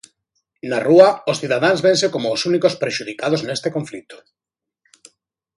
Na rúa, os cidadáns vense como os únicos prexudicados neste conflito.